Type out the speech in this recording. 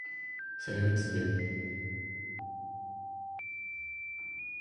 It could offer various gifts, such as collectible fascicles and cutlery.